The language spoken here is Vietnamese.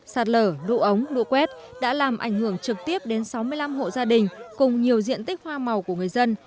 sạt lở đụ ống đụ quét đã làm ảnh hưởng trực tiếp đến sáu mươi năm hộ gia đình cùng nhiều diện tích hoa màu của người dân